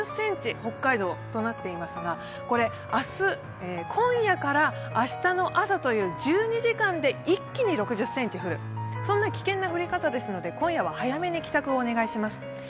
北海道となっていますが、これ、今夜から明日の朝という１２時間で一気に６０ｃｍ降る、そんな危険な降り方ですので今夜は早めに帰宅をお願いします。